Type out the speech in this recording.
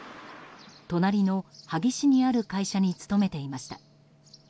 隣の萩市にある会社に勤めていました。